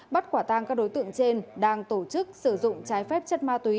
bắt quả tang các đối tượng trên đang tổ chức sử dụng trái phép chất ma túy